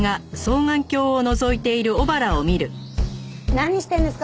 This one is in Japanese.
何してるんですか？